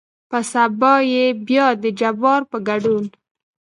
په سبا يې بيا دجبار په ګدون